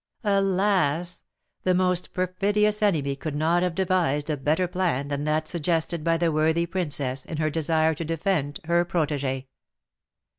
Alas! the most perfidious enemy could not have devised a better plan than that suggested by the worthy princess in her desire to defend her protégée.